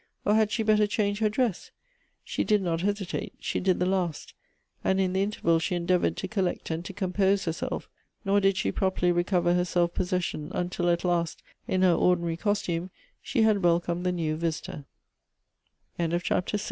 or had she better change her dress ? She did not hesitate — she did the last ; and in the interval she endeavored to collect and to compose herself; nor did she properly recover her self possession until at last, in her ordinary costume, she had welcomed the new vi